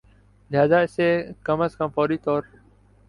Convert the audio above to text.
لہذا اسے کم از کم فوری طور